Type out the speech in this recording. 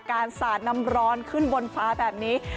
สาดน้ำร้อนขึ้นบนฟ้าแบบนี้